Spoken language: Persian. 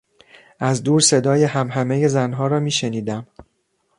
از دور صدای همهمهی زنها را میشنیدم.